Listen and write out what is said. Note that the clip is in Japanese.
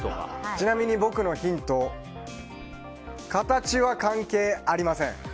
ちなみに僕のヒント形は関係ありません。